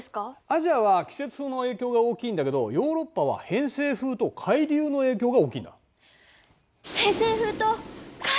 アジアは季節風の影響が大きいんだけどヨーロッパは偏西風と海流の影響が大きいんだ。